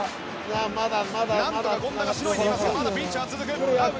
なんとか権田がしのいでいますがまだピンチは続く。